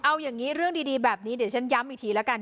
เอาอย่างนี้เรื่องดีแบบนี้เดี๋ยวฉันย้ำอีกทีแล้วกัน